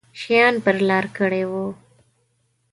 شیان پر لار کړي وو.